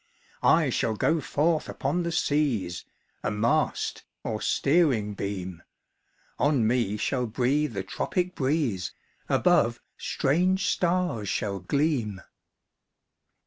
"I shall go forth upon the seas, A mast, or steering beam; On me shall breathe the tropic breeze, Above, strange stars shall gleam.'